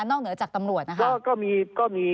นอกเหนือจากตำรวจนะครับ